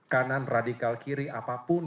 kanan radikal kiri apapun